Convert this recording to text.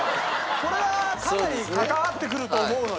これはかなり関わってくると思うのよ。